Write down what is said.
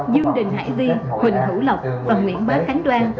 dương đình hải di huỳnh hữu lộc phần nguyễn bá khánh đoan